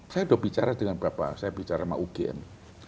saya sudah bicara dengan bapak saya bicara sama ugm